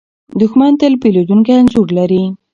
دښمن تل بدلېدونکی انځور لري.